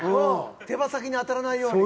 手羽先に当たらないように。